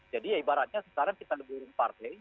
jadi ibaratnya sekarang kita lebih mempartai